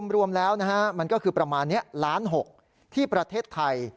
รวมแล้วมันก็คือประมาณนี้ล้าน๖ที่ประเทศไทย